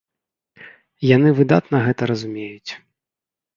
Яны выдатна гэта разумеюць.